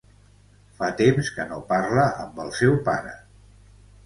Fa temps que no parla amb el seu pare.